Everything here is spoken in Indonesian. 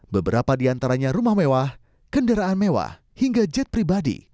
beberapa di antaranya rumah mewah kendaraan mewah hingga jet pribadi